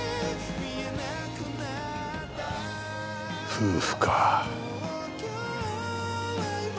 夫婦か。